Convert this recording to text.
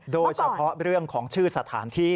โดยเฉพาะเรื่องของชื่อสถานที่